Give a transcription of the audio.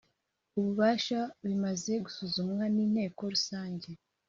ububasha bimaze gusuzumwa nInteko Rusange